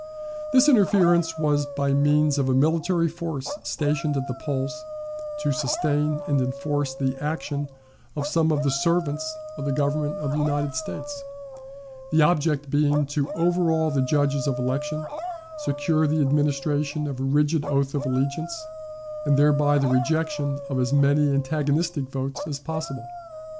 This interference was by means of a military force stationed at the polls to sustain and enforce the action of some of the servants of the Government of the United States, the object being to overawe the judges of election, secure the administration of a rigid oath of allegiance, and thereby the rejection of as many antagonistic votes as possible.